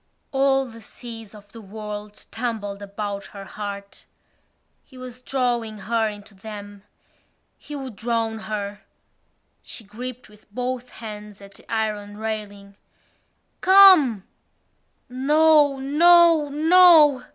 All the seas of the world tumbled about her heart. He was drawing her into them: he would drown her. She gripped with both hands at the iron railing. "Come!" No! No! No!